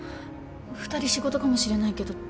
２人仕事かもしれないけど捜す。